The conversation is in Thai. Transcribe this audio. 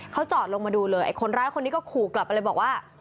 เขาจอดลงมาดูเลยไอ้คนร้ายคนนี้ก็ขู่กลับไปเลยบอกว่า